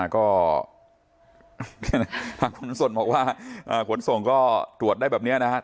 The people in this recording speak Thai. ก็ทางขนส่งบอกว่าขนส่งก็ตรวจได้แบบนี้นะครับ